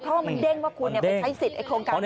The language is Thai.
ะมันเด้งว่าคุณใช้สิทธิ์โครงการนี้